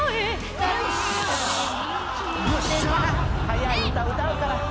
速い歌歌うから。